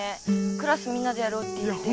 クラスみんなでやろうって言ってんのに。